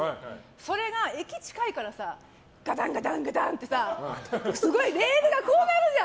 それが、駅近いからさガタンガタンってさすごいレールがこうなるじゃん。